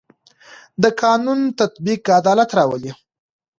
د قانون تطبیق عدالت راولي